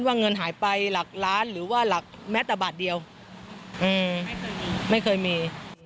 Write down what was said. เงินหายไปหลักล้านหรือว่าหลักแม้แต่บาทเดียวไม่เคยไม่เคยมี